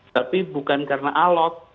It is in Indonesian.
tapi bukan karena alot